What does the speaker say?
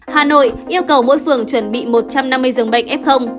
hà nội yêu cầu mỗi phường chuẩn bị một trăm năm mươi giường bệnh f